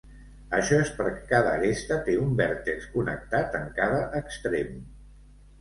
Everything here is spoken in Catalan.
Això és perquè cada aresta té un vèrtex connectat en cada extrem.